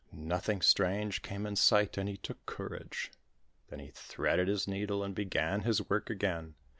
Nothing strange came in sight and he took courage. Then he threaded his needle and began his work again.